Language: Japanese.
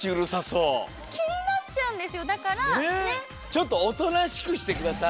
ちょっとおとなしくしてください。